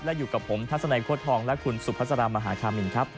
และอยู่กับผมทัศนัยโค้ดทองและคุณสุภาษามหาคามินครับ